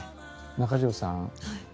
中条さん